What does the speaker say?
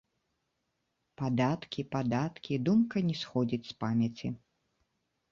Падаткі, падаткі, думка не сходзіць з памяці.